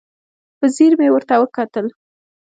په ځیر مې ورته وکتل.